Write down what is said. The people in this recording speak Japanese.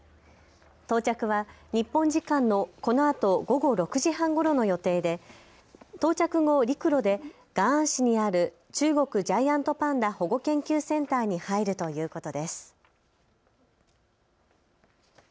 到着は日本時間のこのあと午後６時半ごろの予定で到着後、陸路で雅安市にある中国ジャイアントパンダ保護研究センターに入るということです。